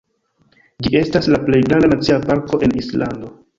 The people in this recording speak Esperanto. Ĝi estas la plej granda nacia parko en Islando.